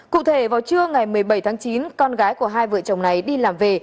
cụ thể vào trưa ngày một mươi bảy tháng chín con gái của hai vợ chồng này đi làm về